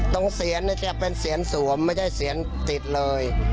ตรงเศียรเนี้ยจะเป็นเศีียรส่วมไม่ใช่เศียรติดเลย